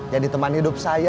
jadi teman hidup saya